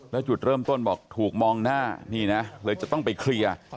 แล้วจุดเริ่มต้นบอกถูกมองหน้านี่นะเลยจะต้องไปเคลียร์